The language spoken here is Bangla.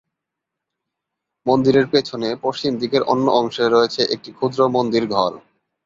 মন্দিরের পেছনে, পশ্চিম দিকের অন্য অংশে রয়েছে একটি ক্ষুদ্র মন্দির ঘর।